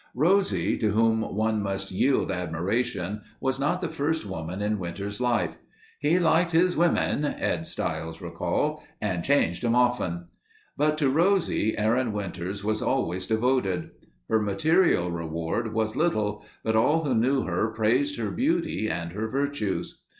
Rosie, to whom one must yield admiration, was not the first woman in Winters' life. "He liked his women," Ed Stiles recalled, "and changed 'em often." But to Rosie, Aaron Winters was always devoted. Her material reward was little but all who knew her praised her beauty and her virtues.